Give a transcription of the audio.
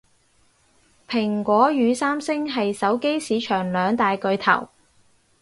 蘋果與三星係手機市場兩大巨頭